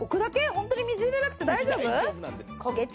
ホントに水入れなくて大丈夫？